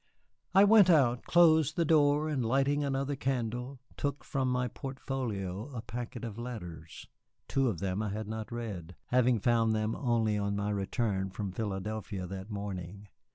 I went out, closed the door, and lighting another candle took from my portfolio a packet of letters. Two of them I had not read, having found them only on my return from Philadelphia that morning.